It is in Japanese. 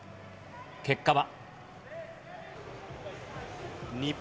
結果は。